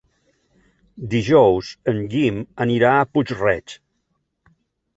Dijous en Guim anirà a Puig-reig.